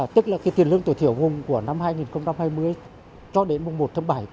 tức là tiền lương tối thiểu vùng của năm hai nghìn hai mươi cho đến mùng một tháng bảy